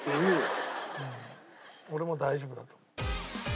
俺も大丈夫だと思う。